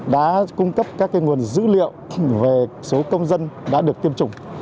đã cung cấp các nguồn dữ liệu về số công dân đã được tiêm chủng